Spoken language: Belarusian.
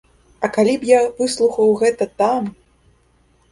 А калі б я выслухаў гэта там!